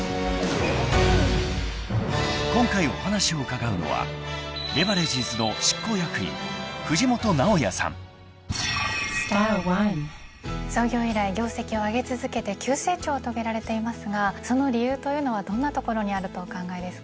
［今回お話を伺うのは］創業以来業績を上げ続けて急成長を遂げられていますがその理由というのはどんなところにあるとお考えですが？